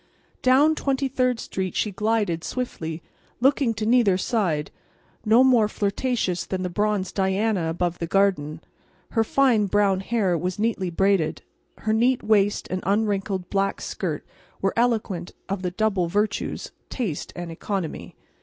Down Twenty third street she glided swiftly, looking to neither side; no more flirtatious than the bronze Diana above the Garden. Her fine brown hair was neatly braided; her neat waist and unwrinkled black skirt were eloquent of the double virtues—taste and economy.